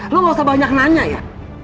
lo gak usah banyak nanya ya